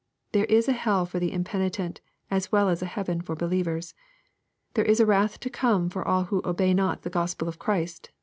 There is a hell for the impenitent, as well as a heaven for believers. There is a wrath to come for all who '^obey not the Gospel of Christ."